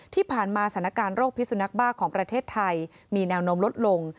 ที่ผ่านมาสถานการณ์โรคพิสุนักบ้าของประเทศไทยมีแนวโน้มลดลง